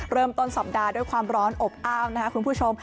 เริ่มต้นสัปดาห์ด้วยความร้อนอบอ้าวนะครับคุณผู้ชม